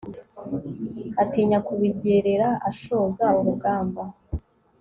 atinya kubigerera ashoza urugamba